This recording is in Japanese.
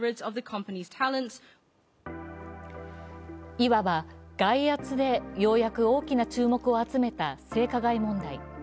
いわば外圧で、ようやく大きな注目を集めた性加害問題。